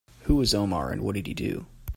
Who is Omar and what did he do?